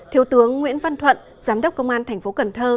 thiếu tướng nguyễn văn thuận giám đốc công an tp cần thơ